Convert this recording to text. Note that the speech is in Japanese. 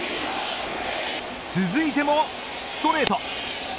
続いてもストレート。